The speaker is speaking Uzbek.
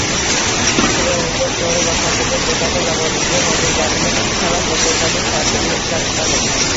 prorektori va fakultet dekani lavozimiga nomzodlarni tanlash va ko`rsatish tartibini ishlab chiqadi